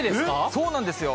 そうなんですよ。